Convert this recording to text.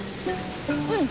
うん。